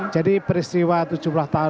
jadi peristiwa tujuh belas tahun